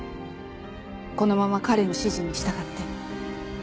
このまま彼の指示に従って。